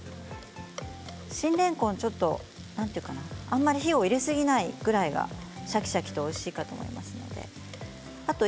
新れんこん、ちょっとあまり火を入れすぎないぐらいがシャキシャキとおいしいかと思いますのであと